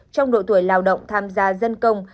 trong độ tuổi lào động tham gia dân công